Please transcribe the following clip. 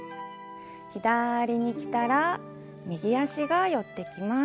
左に来たら右足が寄ってきます。